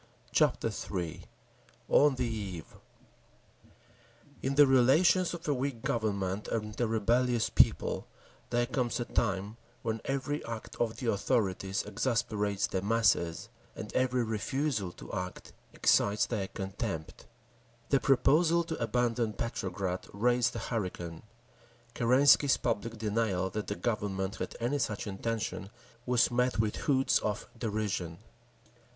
Chapter III On the Eve In the relations of a weak Government and a rebellious people there comes a time when every act of the authorities exasperates the masses, and every refusal to act excites their contempt…. The proposal to abandon Petrograd raised a hurricane; Kerensky's public denial that the Government had any such intention was met with hoots of derision.